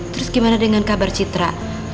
terus gimana dengan kabar citra